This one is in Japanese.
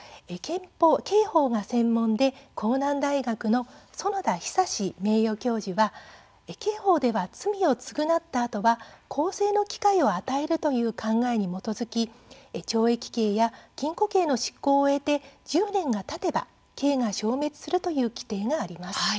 刑法が専門で甲南大学の園田寿名誉教授は刑法では罪を償ったあとは更生の機会を与えるという考えに基づき懲役刑や禁錮刑の執行を終えて１０年がたてば刑が消滅するという規定があります。